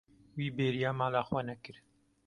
Wî bêriya mala xwe nekir.